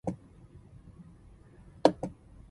It is the country's premier women's football competition.